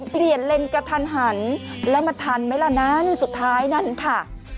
เปลี่ยนเลนกระทานหันแล้วมันทันไหมละนั้นอยู่สุดท้ายนั้นค่ะ